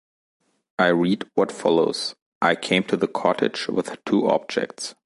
I read what follows: I came to the cottage with two objects.